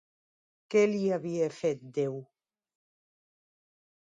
Què li havia fet Déu?